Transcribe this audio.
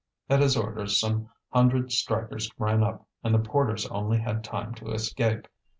At his orders some hundred strikers ran up, and the porters only had time to escape.